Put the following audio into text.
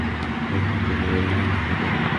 ওহ, তাই না-কি?